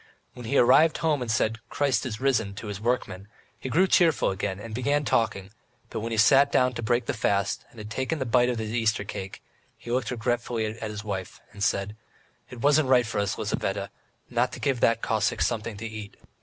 When he had arrived home and said, "Christ is risen" to his workmen, he grew cheerful again and began talking, but when he had sat down to break the fast and had taken a bite from his piece of Easter cake, he looked regretfully at his wife, and said: "It wasn't right of us, Lizaveta, not to give that Cossack something to eat."